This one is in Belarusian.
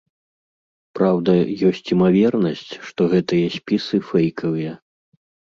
Праўда, ёсць імавернасць, што гэтыя спісы фэйкавыя.